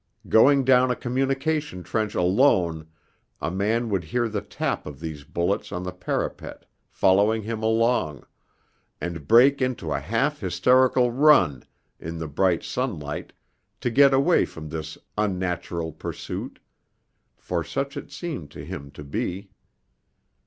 Going down a communication trench alone a man would hear the tap of these bullets on the parapet following him along, and break into a half hysterical run in the bright sunlight to get away from this unnatural pursuit; for such it seemed to him to be.